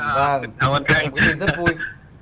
xin chào các bạn